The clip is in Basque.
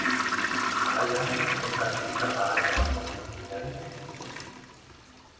Jarraian, hainbat hiritan barrena egingo duen birari ekingo dio.